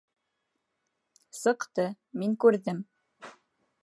Сыҡты, мин күрҙем.